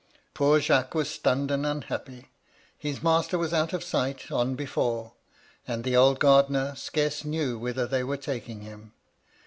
Poor Jacques was stunned and unhappy, — his master was out of sight, on before ; and the old gardener scarce knew whither they were taking him.